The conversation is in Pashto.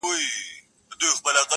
هم د بابا- هم د نیکه- حماسې هېري سولې-